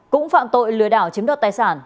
cũng phạm tội lừa đảo chiếm đoạt tài sản